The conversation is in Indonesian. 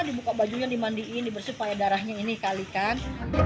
dibuka bajunya dimandiin dibersihin darahnya ini kali kan